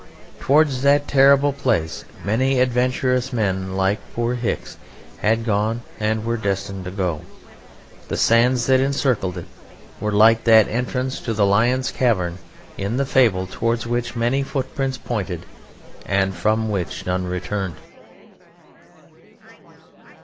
Towards that terrible place many adventurous men, like poor Hicks, had gone and were destined to go. The sands that encircled it were like that entrance to the lion's cavern in the fable, towards which many footprints pointed, and from which none returned.